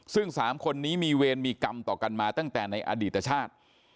ซึ่ง๓คนนี้มีเวรมีกรรมต่อกันมาตั้งแต่ในอดีตชาติ